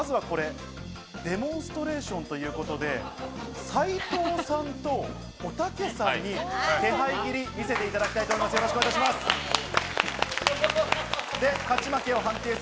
デモンストレーションということで、斉藤さんとおたけさんに気配斬りを見せていただきたいと思います。